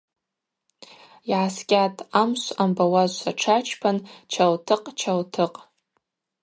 Йгӏаскӏьатӏ, амшв амбауазшва тшачпан – Чалтыкъ, Чалтыкъ.